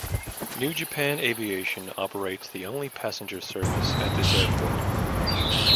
New Japan Aviation operates the only passenger service at this airport.